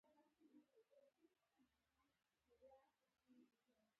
د علم لوړاوی له نورو ټولو شیانو ډېر دی.